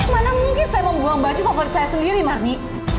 mana mungkin saya mau buang baju favorit saya sendiri marni